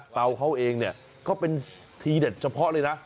เตาเขาเองเนี่ยเขาเป็นทีเด็ดเฉพาะเลยนะ